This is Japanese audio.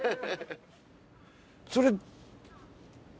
それ。